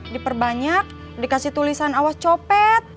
diperbanyak dikasih tulisan awas copet